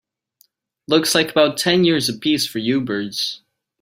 Looks like about ten years a piece for you birds.